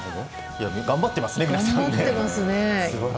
頑張っていますね、皆さん。